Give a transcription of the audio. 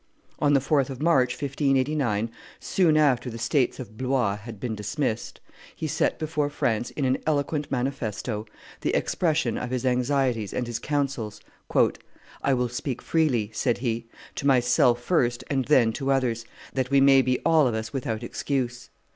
On the 4th of March, 1589, soon after the states of Blois had been dismissed, he set before France, in an eloquent manifesto, the expression of his anxieties and his counsels: "I will speak freely," said he, "to myself first and then to others, that we may be all of us without excuse.